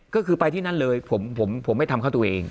ก็คือไปที่นั่นเลยผมไม่ทำเข้าตัวเอง